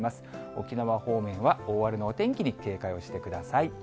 沖縄方面は大荒れのお天気に警戒をしてください。